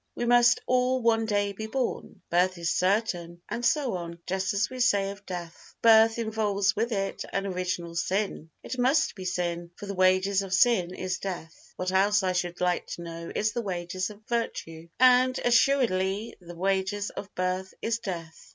"We must all one day be born," "Birth is certain" and so on, just as we say of death. Birth involves with it an original sin. It must be sin, for the wages of sin is death (what else, I should like to know, is the wages of virtue?) and assuredly the wages of birth is death.